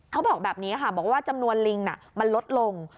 เขาบอกแบบนี้ค่ะบอกว่าจำนวนลิงมันลดลง